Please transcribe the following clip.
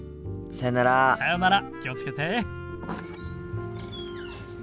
さよなら気を付けて。